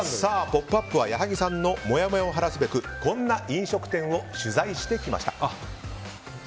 「ポップＵＰ！」は矢作さんのもやもやを晴らすべくこんな飲食店を取材してきました。